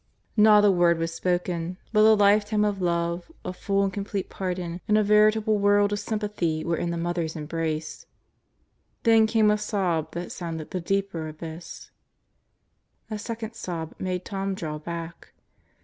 Not a word was spoken, but a lifetime of love, a full and complete pardon, and a veritable world of sympathy were in the mother's embrace. Then came a sob that sounded the deeper abyss. A second sob made Tom draw back.